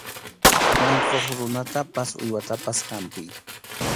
Unquq runatapas uywatapas hampiy.